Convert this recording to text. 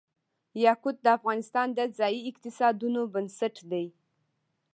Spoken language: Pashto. یاقوت د افغانستان د ځایي اقتصادونو بنسټ دی.